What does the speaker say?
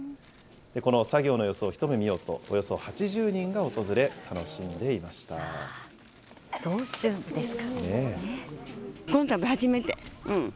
この作業の様子を一目見ようと、およそ８０人が訪れ、楽しんでい早春ですか。